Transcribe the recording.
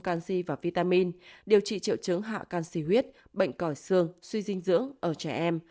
canxi và vitamin điều trị triệu chứng hạ canxi huyết bệnh còi xương suy dinh dưỡng ở trẻ em